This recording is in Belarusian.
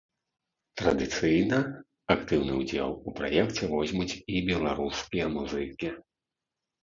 Традыцыйна актыўны ўдзел у праекце возьмуць і беларускія музыкі.